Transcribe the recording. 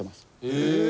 へえ。